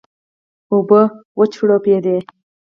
اوبه وچړپېدې.